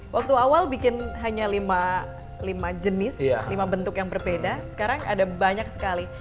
waktu awal bikin hanya lima jenis lima bentuk yang berbeda sekarang ada banyak sekali